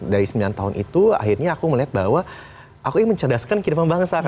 dari sembilan tahun itu akhirnya aku melihat bahwa aku ingin mencerdaskan kehidupan bangsa